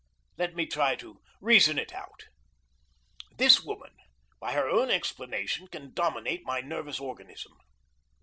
Let me try to reason it out! This woman, by her own explanation, can dominate my nervous organism.